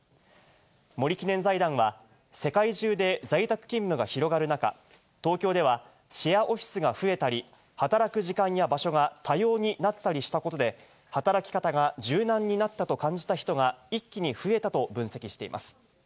森記念財団は、世界中で在宅勤務が広がる中、東京ではシェアオフィスが増えたり、働く時間や場所が多様になったりしたことで、働き方が柔軟になったと感じた人が一気に増えたと分析しています。